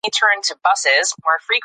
ټولنیز ژوند د ګډو اړیکو په دوام ولاړ وي.